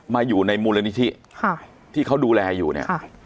อยู่ในมูลนิธิค่ะที่เขาดูแลอยู่เนี่ย